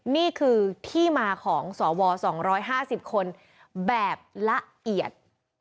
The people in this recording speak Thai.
นี่คือที่มาของสว๒๕๐คนแบบละเอียด